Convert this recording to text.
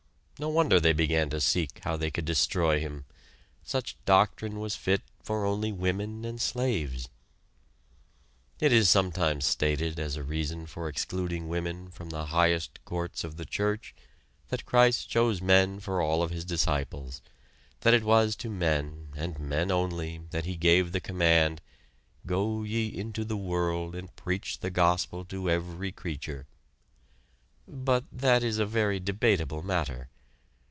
No wonder they began to seek how they could destroy him! Such doctrine was fit for only women and slaves! It is sometimes stated as a reason for excluding women from the highest courts of the church, that Christ chose men for all of his disciples that it was to men, and men only, that he gave the command: "Go ye into the world and preach the gospel to every creature," but that is a very debatable matter.